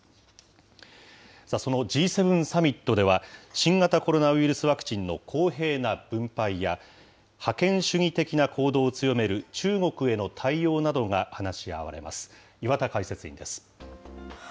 そのＧ７サミットでは、新型コロナウイルスワクチンの公平な分配や、覇権主義的な行動を強める中国への対応などが話し合われます。